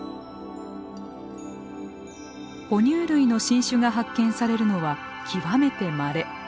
ほ乳類の新種が発見されるのは極めてまれ。